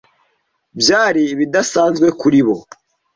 byari ibidasanzwe kuri bo